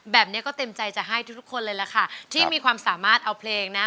แบบนี้ก็เต็มใจจะให้ทุกคนเลยล่ะค่ะที่มีความสามารถเอาเพลงนะ